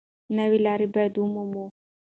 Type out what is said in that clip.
نوې لاره باید ومومو.